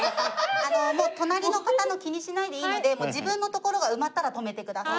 もう隣の方の気にしないでいいので自分の所が埋まったら止めてください。